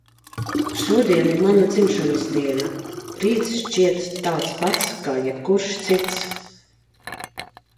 Šodien ir mana dzimšanas diena. Rīts šķiet tāds pats kā jebkurš cits.